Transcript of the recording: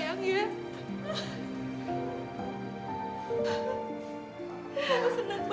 senang banget bisa ketemu saya